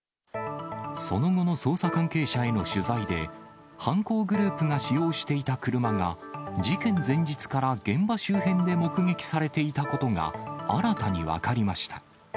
その後の捜査関係者への取材で、犯行グループが使用していた車が、事件前日から現場周辺で目撃されていたことが新たに分かりました。